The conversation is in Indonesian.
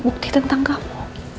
maka kita harus percaya